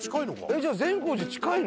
じゃあ善光寺近いの？